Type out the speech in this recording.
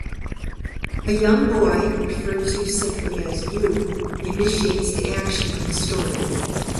A young boy, referred to simply as "you", initiates the action of the story.